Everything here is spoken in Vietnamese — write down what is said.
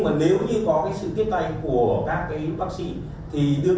để điều trị đối tượng